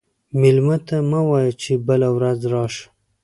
مېلمه ته مه وایه چې بله ورځ راشه.